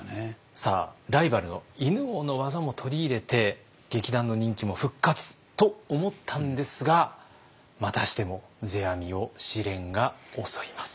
さあライバルの犬王の技も取り入れて劇団の人気も復活と思ったんですがまたしても世阿弥を試練が襲います。